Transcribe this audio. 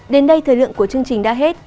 đến đây thời lượng của chương trình đã hết